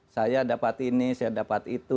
saya dapat ini saya dapat itu